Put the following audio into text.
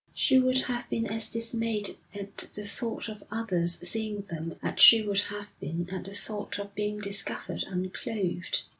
She would have been as dismayed at the thought of others seeing them as she would have been at the thought of being discovered unclothed.